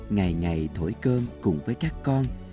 ngày ngày thổi cơm cùng với các con